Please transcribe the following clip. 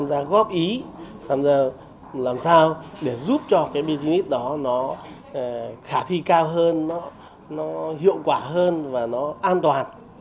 ra góp ý làm sao để giúp cho cái business đó nó khả thi cao hơn nó hiệu quả hơn và nó an toàn